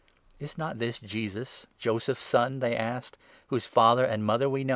" Is not this Jesus, Joseph's son," they asked, " whose father 42 and mother we know